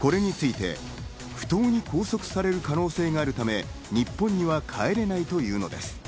これについて不当に拘束される可能性があるため、日本には帰れないというのです。